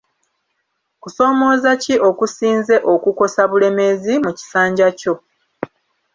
Kusoomooza ki okusinze okukosa Bulemeezi mu kisanja kyo?